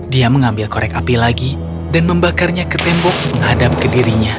dia mengambil korek api lagi dan membakarnya ke tembok menghadap ke dirinya